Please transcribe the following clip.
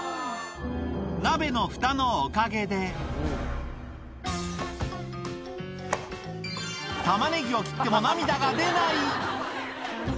鍋のふたのおかげで、タマネギを切っても涙が出ない。